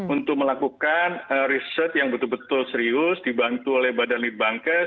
untuk melakukan riset yang betul betul serius dibantu oleh badan litbangkes